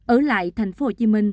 ở lại tp hcm